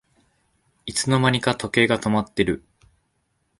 いつの間にか時計が止まってる